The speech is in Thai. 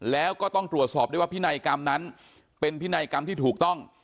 แล้วก็ต้องตรวจสอบด้วยว่าพินัยกรรมนั้นเป็นพินัยกรรมที่ถูกต้อง